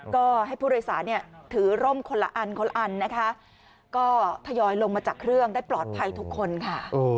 ก็ให้ผู้โดยสารเนี่ยถือร่มคนละอันคนละอันนะคะก็ทยอยลงมาจากเครื่องได้ปลอดภัยทุกคนค่ะ